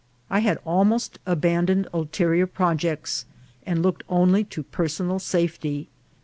I had almost abandoned ulterior projects, and looked only to personal safety.